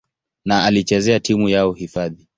na alichezea timu yao hifadhi.